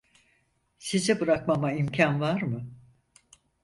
Sizi bırakmama imkân var mı?